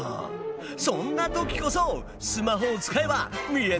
そんな時こそスマホを使えば見えてくるぞ！